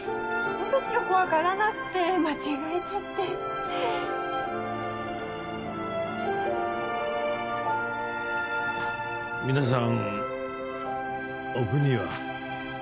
分別よく分からなくて間違えちゃって皆さんお国は？